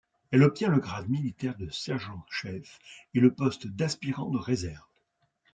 Elle obtient le grade militaire de Sergent-chef et le poste d'Aspirant de réserve.